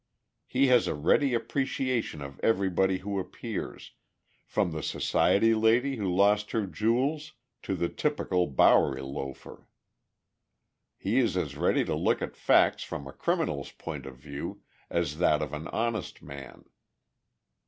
He has a ready appreciation of everybody who appears, from the society lady who lost her jewels to the typical Bowery loafer. He is as ready to look at facts from a criminal's point of view as that of an honest man.